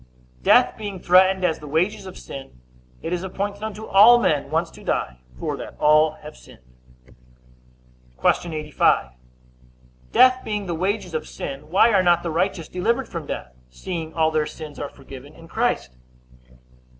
Death being threatened as the wages of sin, it is appointed unto all men once to die; for that all have sinned. Q. 85. Death being the wages of sin, why are not the righteous delivered from death, seeing all their sins are forgiven in Christ?